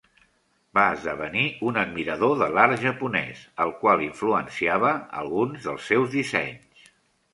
Va esdevenir un admirador de l'art japonès, el qual influenciava alguns dels seus dissenys.